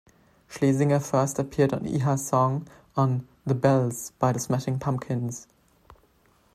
Schlesinger first appeared on Iha's song on "The Bells" by The Smashing Pumpkins.